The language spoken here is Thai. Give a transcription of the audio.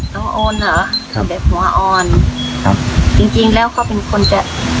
โอนเหรอครับแบบหัวอ่อนครับจริงจริงแล้วเขาเป็นคนจะ